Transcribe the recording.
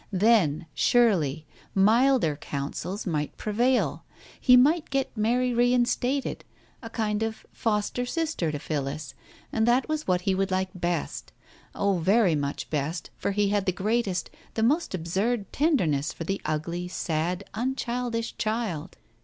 Then, surely, milder counsels might prevail ; he might get Mary reinstated, a kind of foster sister to Phillis, and that was what he would like best. Oh, very much best, for he had the greatest, the most absurd, tenderness for the ugly, sad unchildish child